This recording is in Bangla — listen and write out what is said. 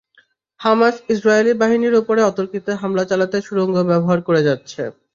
হামাস ইসরায়েলি বাহিনীর ওপরে অতর্কিতে আক্রমণ চালাতে সুড়ঙ্গ ব্যবহার করে যাচ্ছে।